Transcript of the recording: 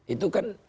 itu kan fasilitasnya